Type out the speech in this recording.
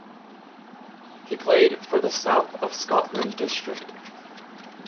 He played for the South of Scotland District.